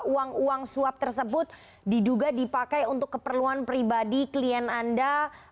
uang uang suap tersebut diduga dipakai untuk keperluan pribadi klien anda